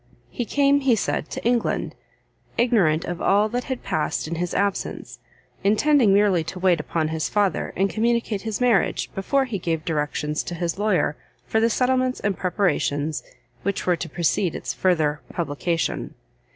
He came, he said, to England, ignorant of all that had past in his absence, intending merely to wait upon his father, and communicate his marriage, before he gave directions to his lawyer for the settlements and preparations which were to precede its further publication.